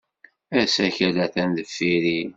Asakal atan deffir-i.